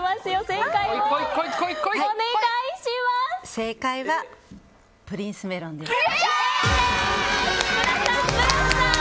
正解はプリンスメロンです。